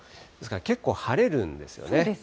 結構晴れるんですよね。